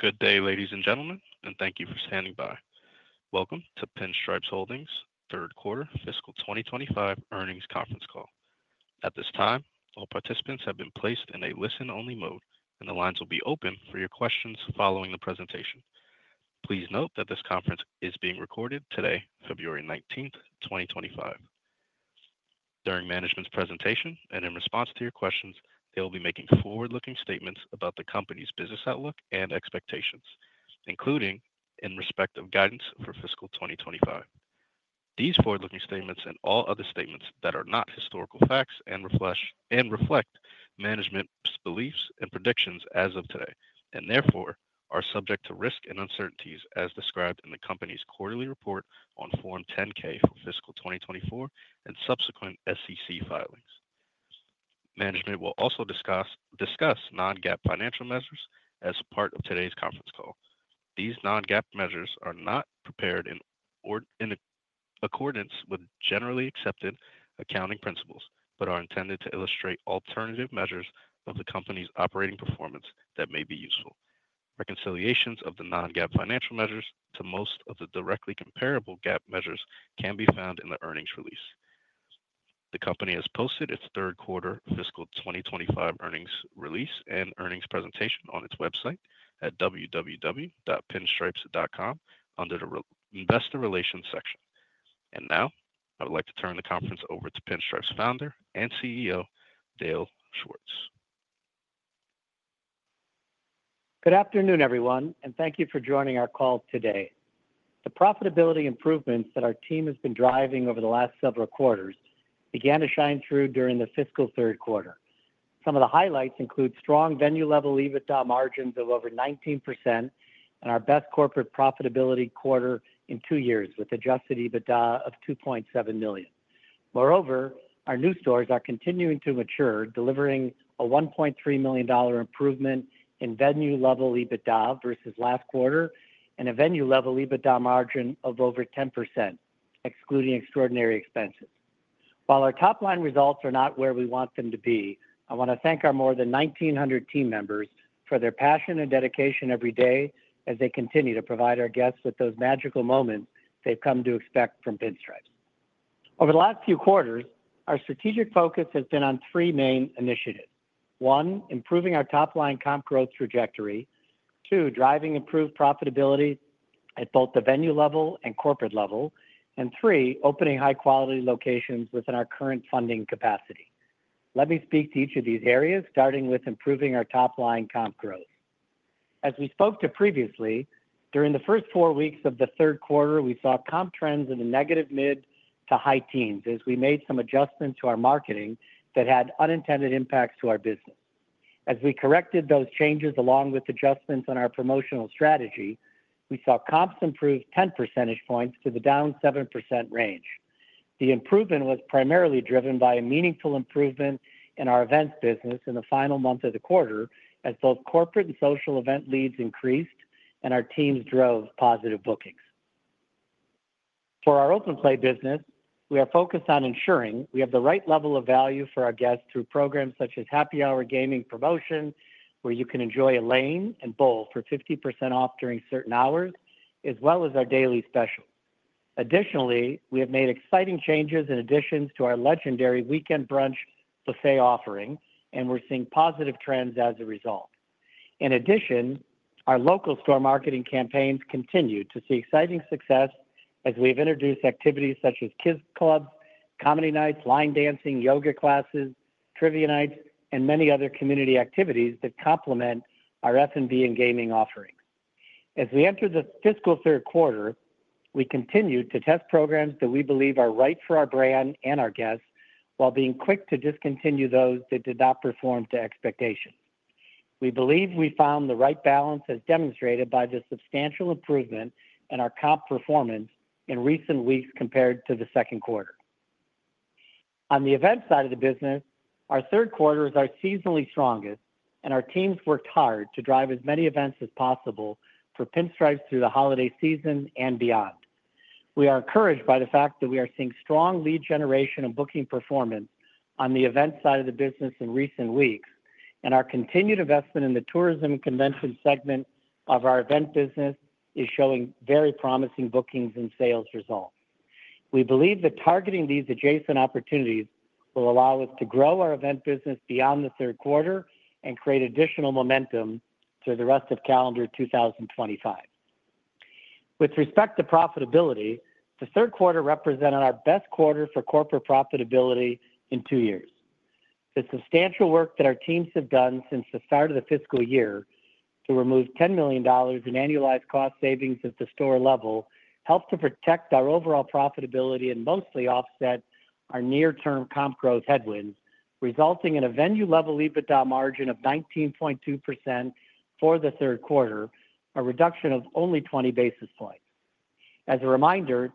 Good day, ladies and gentlemen, and thank you for standing by. Welcome to Pinstripes Holdings' third quarter fiscal 2025 earnings conference call. At this time, all participants have been placed in a listen-only mode, and the lines will be open for your questions following the presentation. Please note that this conference is being recorded today, February 19th, 2025. During management's presentation and in response to your questions, they will be making forward-looking statements about the company's business outlook and expectations, including in respect of guidance for fiscal 2025. These forward-looking statements and all other statements that are not historical facts and reflect management's beliefs and predictions as of today, and therefore are subject to risk and uncertainties as described in the company's quarterly report on Form 10-K for fiscal 2024 and subsequent SEC filings. Management will also discuss non-GAAP financial measures as part of today's conference call. These non-GAAP measures are not prepared in accordance with generally accepted accounting principles but are intended to illustrate alternative measures of the company's operating performance that may be useful. Reconciliations of the non-GAAP financial measures to most of the directly comparable GAAP measures can be found in the earnings release. The company has posted its third quarter fiscal 2025 earnings release and earnings presentation on its website at www.pinstripes.com under the Investor Relations section. I would like to turn the conference over to Pinstripes founder and CEO, Dale Schwartz. Good afternoon, everyone, and thank you for joining our call today. The profitability improvements that our team has been driving over the last several quarters began to shine through during the fiscal third quarter. Some of the highlights include strong venue-level EBITDA margins of over 19% and our best corporate profitability quarter in two years with adjusted EBITDA of $2.7 million. Moreover, our new stores are continuing to mature, delivering a $1.3 million improvement in venue-level EBITDA versus last quarter and a venue-level EBITDA margin of over 10%, excluding extraordinary expenses. While our top-line results are not where we want them to be, I want to thank our more than 1,900 team members for their passion and dedication every day as they continue to provide our guests with those magical moments they've come to expect from Pinstripes. Over the last few quarters, our strategic focus has been on three main initiatives: one, improving our top-line comp growth trajectory; two, driving improved profitability at both the venue level and corporate level; and three, opening high-quality locations within our current funding capacity. Let me speak to each of these areas, starting with improving our top-line comp growth. As we spoke to previously, during the first four weeks of the third quarter, we saw comp trends in the negative mid to high teens as we made some adjustments to our marketing that had unintended impacts to our business. As we corrected those changes along with adjustments on our promotional strategy, we saw comps improve 10 percentage points to the down 7% range. The improvement was primarily driven by a meaningful improvement in our events business in the final month of the quarter as both corporate and social event leads increased and our teams drove positive bookings. For our open-play business, we are focused on ensuring we have the right level of value for our guests through programs such as happy hour gaming promotion, where you can enjoy a lane and bowl for 50% off during certain hours, as well as our daily specials. Additionally, we have made exciting changes and additions to our legendary weekend brunch buffet offering, and we're seeing positive trends as a result. In addition, our local store marketing campaigns continue to see exciting success as we have introduced activities such as kids' clubs, comedy nights, line dancing, yoga classes, trivia nights, and many other community activities that complement our F&B and gaming offerings. As we enter the fiscal third quarter, we continue to test programs that we believe are right for our brand and our guests while being quick to discontinue those that did not perform to expectations. We believe we found the right balance as demonstrated by the substantial improvement in our comp performance in recent weeks compared to the second quarter. On the events side of the business, our third quarter is our seasonally strongest, and our teams worked hard to drive as many events as possible for Pinstripes through the holiday season and beyond. We are encouraged by the fact that we are seeing strong lead generation and booking performance on the events side of the business in recent weeks, and our continued investment in the tourism and convention segment of our event business is showing very promising bookings and sales results. We believe that targeting these adjacent opportunities will allow us to grow our event business beyond the third quarter and create additional momentum through the rest of calendar 2025. With respect to profitability, the third quarter represented our best quarter for corporate profitability in two years. The substantial work that our teams have done since the start of the fiscal year to remove $10 million in annualized cost savings at the store level helped to protect our overall profitability and mostly offset our near-term comp growth headwinds, resulting in a venue-level EBITDA margin of 19.2% for the third quarter, a reduction of only 20 basis points. As a reminder,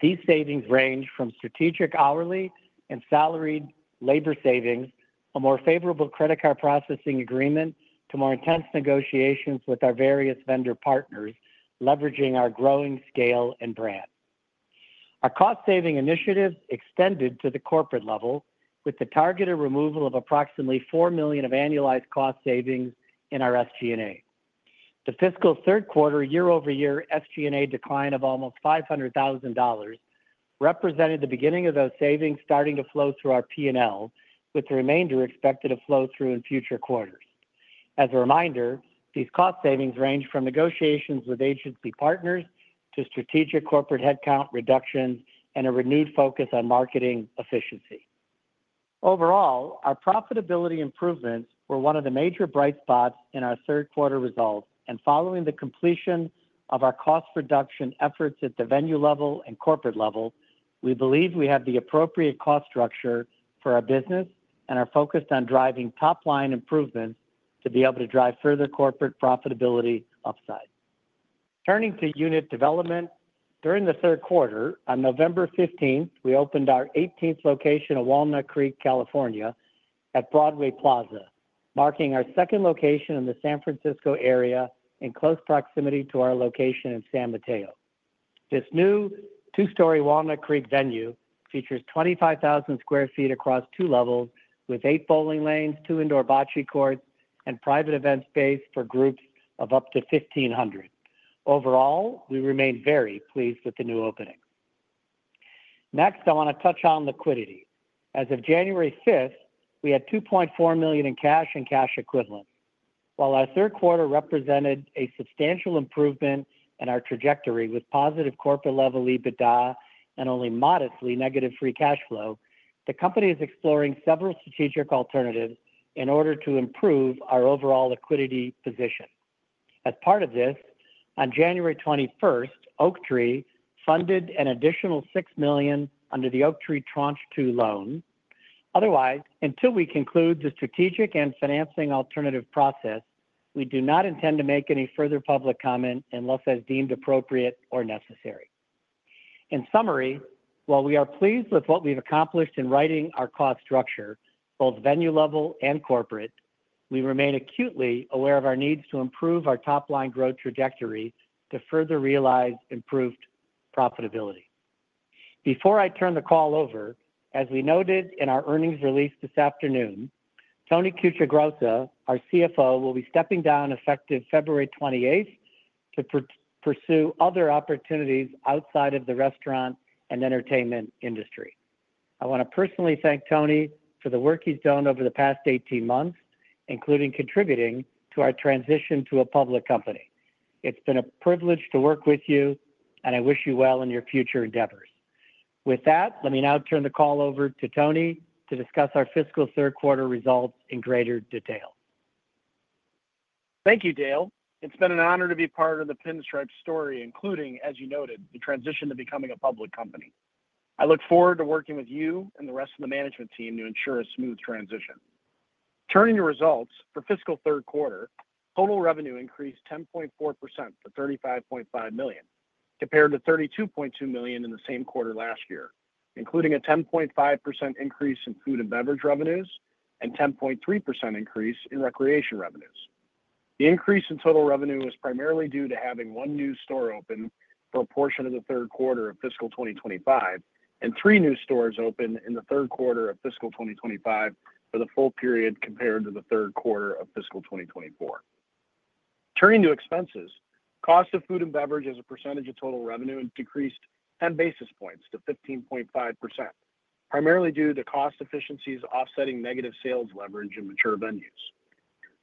these savings range from strategic hourly and salaried labor savings, a more favorable credit card processing agreement, to more intense negotiations with our various vendor partners, leveraging our growing scale and brand. Our cost-saving initiatives extended to the corporate level with the targeted removal of approximately $4 million of annualized cost savings in our SG&A. The fiscal third quarter year-over-year SG&A decline of almost $500,000 represented the beginning of those savings starting to flow through our P&L, with the remainder expected to flow through in future quarters. As a reminder, these cost savings ranged from negotiations with agency partners to strategic corporate headcount reductions and a renewed focus on marketing efficiency. Overall, our profitability improvements were one of the major bright spots in our third quarter results, and following the completion of our cost reduction efforts at the venue level and corporate level, we believe we have the appropriate cost structure for our business and are focused on driving top-line improvements to be able to drive further corporate profitability upside. Turning to unit development, during the third quarter, on November 15, we opened our 18th location of Walnut Creek, California, at Broadway Plaza, marking our second location in the San Francisco area in close proximity to our location in San Mateo. This new two-story Walnut Creek venue features 25,000 sq ft across two levels with eight bowling lanes, two indoor bocce courts, and private event space for groups of up to 1,500. Overall, we remain very pleased with the new opening. Next, I want to touch on liquidity. As of January 5, we had $2.4 million in cash and cash equivalents. While our third quarter represented a substantial improvement in our trajectory with positive corporate-level EBITDA and only modestly negative free cash flow, the company is exploring several strategic alternatives in order to improve our overall liquidity position. As part of this, on January 21st, Oaktree funded an additional $6 million under the Oaktree Tranche 2 loan. Otherwise, until we conclude the strategic and financing alternative process, we do not intend to make any further public comment unless as deemed appropriate or necessary. In summary, while we are pleased with what we've accomplished in writing our cost structure, both venue level and corporate, we remain acutely aware of our needs to improve our top-line growth trajectory to further realize improved profitability. Before I turn the call over, as we noted in our earnings release this afternoon, Tony Querciagrossa, our CFO, will be stepping down effective February 28th to pursue other opportunities outside of the restaurant and entertainment industry. I want to personally thank Tony for the work he's done over the past 18 months, including contributing to our transition to a public company. It's been a privilege to work with you, and I wish you well in your future endeavors. With that, let me now turn the call over to Tony to discuss our fiscal third quarter results in greater detail. Thank you, Dale. It's been an honor to be part of the Pinstripes story, including, as you noted, the transition to becoming a public company. I look forward to working with you and the rest of the management team to ensure a smooth transition. Turning to results for fiscal third quarter, total revenue increased 10.4% to $35.5 million, compared to $32.2 million in the same quarter last year, including a 10.5% increase in food and beverage revenues and a 10.3% increase in recreation revenues. The increase in total revenue was primarily due to having one new store open for a portion of the third quarter of fiscal 2025 and three new stores open in the third quarter of fiscal 2025 for the full period compared to the third quarter of fiscal 2024. Turning to expenses, cost of food and beverage as a percentage of total revenue decreased 10 basis points to 15.5%, primarily due to cost efficiencies offsetting negative sales leverage in mature venues.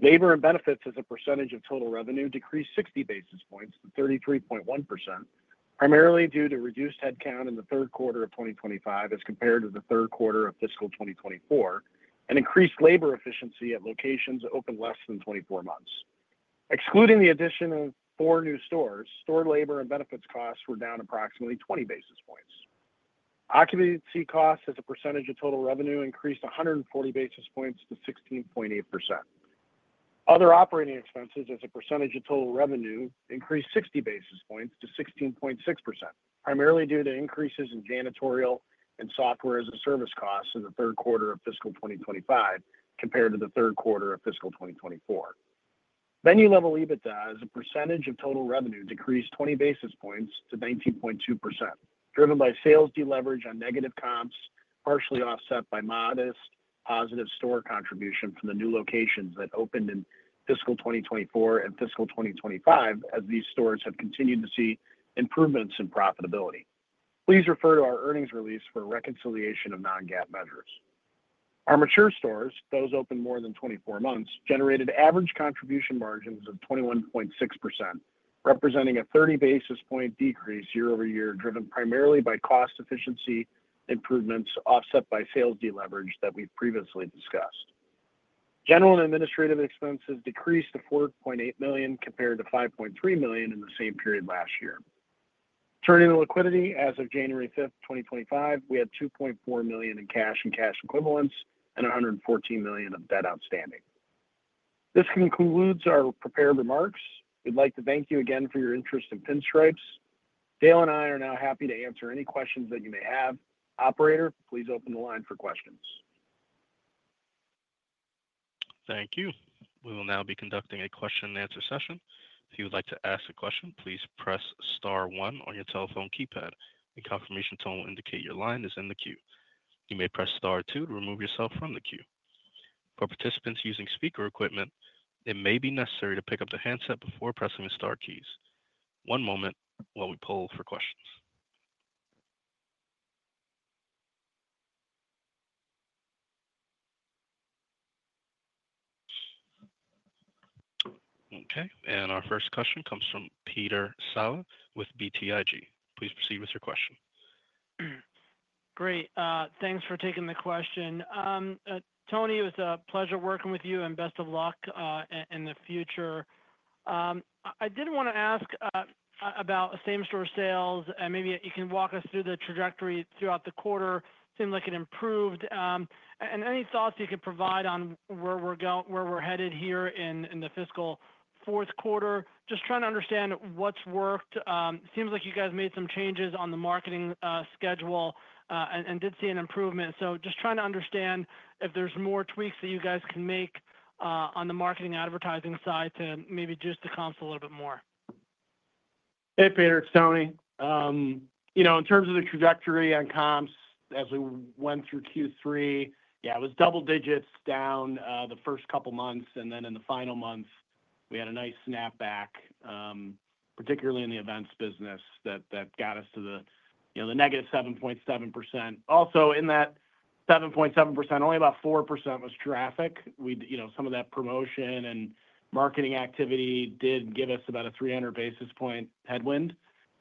Labor and benefits as a percentage of total revenue decreased 60 basis points to 33.1%, primarily due to reduced headcount in the third quarter of 2025 as compared to the third quarter of fiscal 2024 and increased labor efficiency at locations open less than 24 months. Excluding the addition of four new stores, store labor and benefits costs were down approximately 20 basis points. Occupancy costs as a percentage of total revenue increased 140 basis points to 16.8%. Other operating expenses as a percentage of total revenue increased 60 basis points to 16.6%, primarily due to increases in janitorial and software as a service costs in the third quarter of fiscal 2025 compared to the third quarter of fiscal 2024. Venue-level EBITDA as a percentage of total revenue decreased 20 basis points to 19.2%, driven by sales deleverage on negative comps partially offset by modest positive store contribution from the new locations that opened in fiscal 2024 and fiscal 2025 as these stores have continued to see improvements in profitability. Please refer to our earnings release for reconciliation of non-GAAP measures. Our mature stores, those open more than 24 months, generated average contribution margins of 21.6%, representing a 30 basis point decrease year-over-year driven primarily by cost efficiency improvements offset by sales deleverage that we've previously discussed. General and administrative expenses decreased to $4.8 million compared to $5.3 million in the same period last year. Turning to liquidity, as of January 5, 2025, we had $2.4 million in cash and cash equivalents and $114 million of debt outstanding. This concludes our prepared remarks. We'd like to thank you again for your interest in Pinstripes. Dale and I are now happy to answer any questions that you may have. Operator, please open the line for questions. Thank you. We will now be conducting a question-and-answer session. If you would like to ask a question, please press Star one on your telephone keypad. A confirmation tone will indicate your line is in the queue. You may press Star two to remove yourself from the queue. For participants using speaker equipment, it may be necessary to pick up the handset before pressing the Star keys. One moment while we poll for questions. Okay. Our first question comes from Peter Saleh with BTIG. Please proceed with your question. Great. Thanks for taking the question. Tony, it was a pleasure working with you and best of luck in the future. I did want to ask about same-store sales and maybe you can walk us through the trajectory throughout the quarter. Seemed like it improved. Any thoughts you can provide on where we're headed here in the fiscal fourth quarter? Just trying to understand what's worked. Seems like you guys made some changes on the marketing schedule and did see an improvement. Just trying to understand if there's more tweaks that you guys can make on the marketing advertising side to maybe juice the comps a little bit more. Hey, Peter. It's Tony. You know, in terms of the trajectory on comps as we went through Q3, yeah, it was double digits down the first couple of months, and then in the final month, we had a nice snap back, particularly in the events business that got us to the negative 7.7%. Also, in that 7.7%, only about 4% was traffic. You know, some of that promotion and marketing activity did give us about a 300 basis point headwind.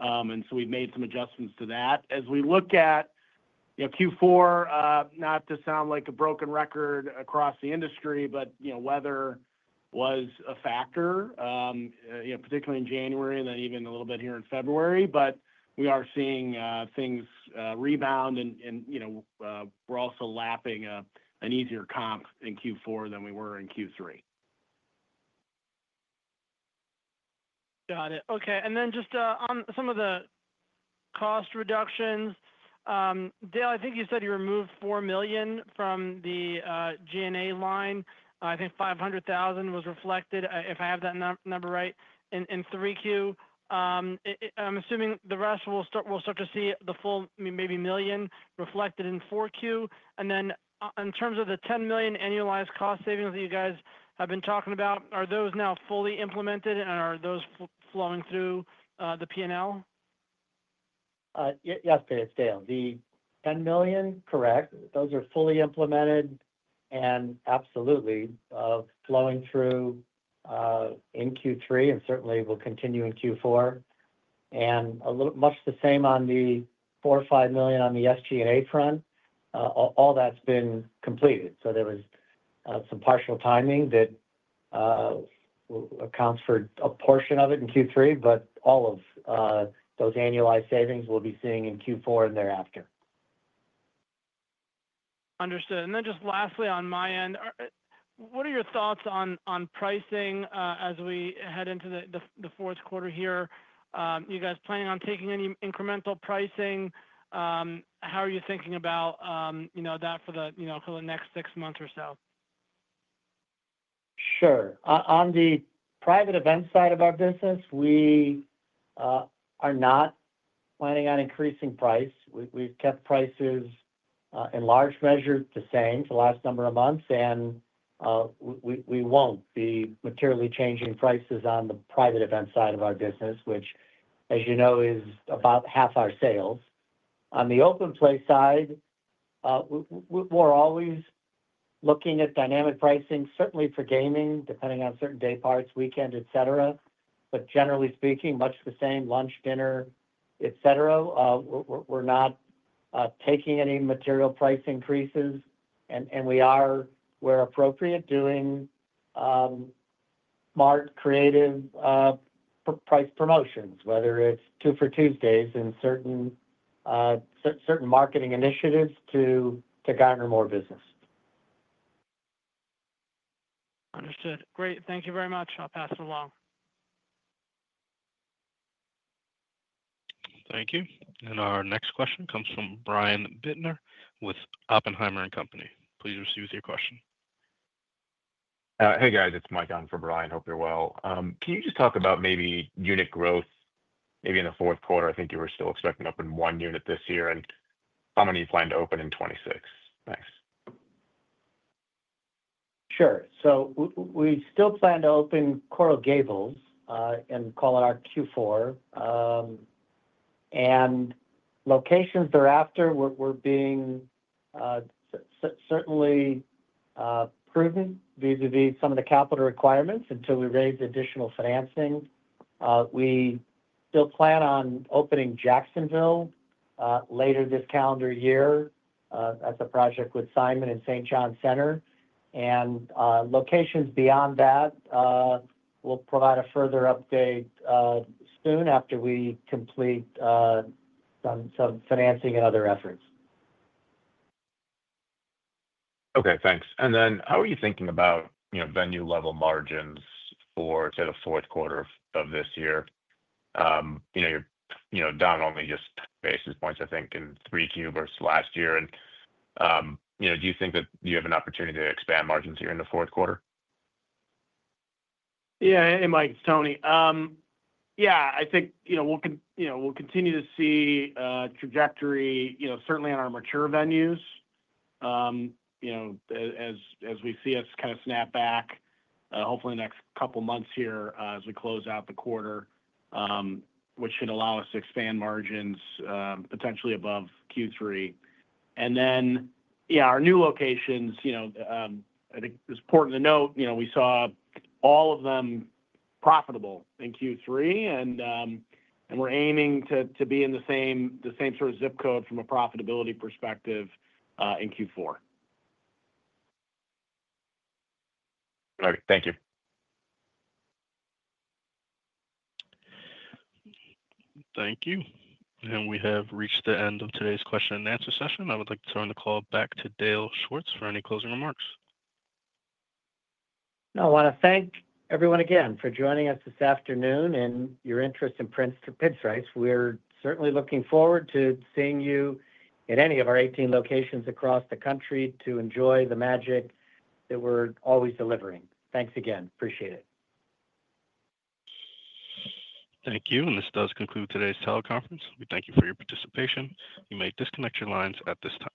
And so we've made some adjustments to that. As we look at Q4, not to sound like a broken record across the industry, but weather was a factor, particularly in January and then even a little bit here in February, but we are seeing things rebound and we're also lapping an easier comp in Q4 than we were in Q3. Got it. Okay. Just on some of the cost reductions, Dale, I think you said you removed $4 million from the G&A line. I think $500,000 was reflected, if I have that number right, in Q3. I'm assuming the rest we'll start to see the full maybe million reflected in Q4. In terms of the $10 million annualized cost savings that you guys have been talking about, are those now fully implemented and are those flowing through the P&L? Yes, it's Dale. The $10 million, correct. Those are fully implemented and absolutely flowing through in Q3 and certainly will continue in Q4. Much the same on the $4-$5 million on the SG&A front, all that's been completed. There was some partial timing that accounts for a portion of it in Q3, but all of those annualized savings we'll be seeing in Q4 and thereafter. Understood. Lastly on my end, what are your thoughts on pricing as we head into the fourth quarter here? You guys planning on taking any incremental pricing? How are you thinking about that for the next six months or so? Sure. On the private events side of our business, we are not planning on increasing price. We've kept prices in large measure the same for the last number of months, and we won't be materially changing prices on the private events side of our business, which, as you know, is about half our sales. On the open play side, we're always looking at dynamic pricing, certainly for gaming, depending on certain day parts, weekend, et cetera. Generally speaking, much the same, lunch, dinner, et cetera. We're not taking any material price increases, and we are, where appropriate, doing smart, creative price promotions, whether it's Two for Tuesdays and certain marketing initiatives to garner more business. Understood. Great. Thank you very much. I'll pass it along. Thank you. Our next question comes from Brian Bittner with Oppenheimer & Co. Please proceed with your question. Hey, guys. It's Mike on for Brian. Hope you're well. Can you just talk about maybe unit growth? Maybe in the fourth quarter, I think you were still expecting up in one unit this year and how many you plan to open in 2026? Thanks. Sure. We still plan to open Coral Gables and call it our Q4. Locations thereafter, we're being certainly prudent vis-à-vis some of the capital requirements until we raise additional financing. We still plan on opening Jacksonville later this calendar year as a project with Simon and St. Johns Town Center. Locations beyond that, we'll provide a further update soon after we complete some financing and other efforts. Okay. Thanks. How are you thinking about venue-level margins for the fourth quarter of this year? You know, you're down only just basis points, I think, in three Q versus last year. Do you think that you have an opportunity to expand margins here in the fourth quarter? Yeah, hey, Mike, it's Tony. Yeah, I think we'll continue to see trajectory, certainly on our mature venues, as we see us kind of snap back, hopefully in the next couple of months here as we close out the quarter, which should allow us to expand margins potentially above Q3. Yeah, our new locations, I think it's important to note, we saw all of them profitable in Q3, and we're aiming to be in the same sort of zip code from a profitability perspective in Q4. All right. Thank you. Thank you. We have reached the end of today's question-and-answer session. I would like to turn the call back to Dale Schwartz for any closing remarks. No, I want to thank everyone again for joining us this afternoon and your interest in Pinstripes. We're certainly looking forward to seeing you at any of our 18 locations across the country to enjoy the magic that we're always delivering. Thanks again. Appreciate it. Thank you. This does conclude today's teleconference. We thank you for your participation. You may disconnect your lines at this time.